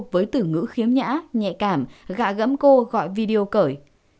với từ ngữ khiếm nhã nhẹ cảm gạ gẫm cô gọi video cởi